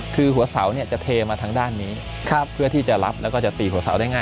คือหัวเสาเนี่ยจะเทมาทางด้านนี้เพื่อที่จะรับแล้วก็จะตีหัวเสาได้ง่าย